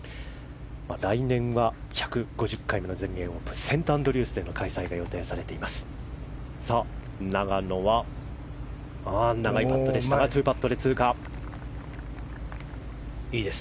来年は１５０回目の全英オープンセントアンドリュースでの開催が予定されています。